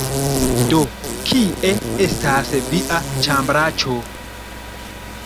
Do, kie estas via ĉambraĉo?